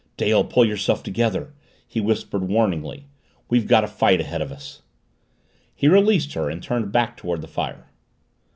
"Dale, pull yourself together!" he whispered warningly. "We've got a fight ahead of us!" He released her and turned back toward the fire.